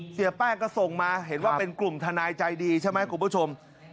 เสียแป้งก็ส่งมาเห็นว่าเป็นกลุ่มทนายใจดีใช่ไหมคุณผู้ชม